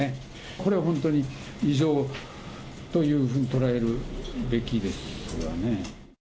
これは本当に異常というふうに捉えるべきですよね。